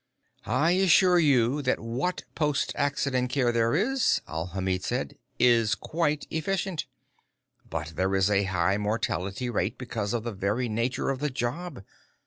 "I assure you that what post accident care there is," Alhamid said, "is quite efficient. But there is a high mortality rate because of the very nature of the job.